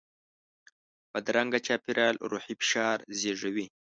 بدرنګه چاپېریال روحي فشار زیږوي